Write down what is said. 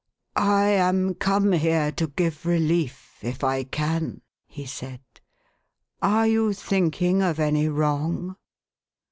" I am come here to give relief, if I can," he said. " Arc you thinking of any wrong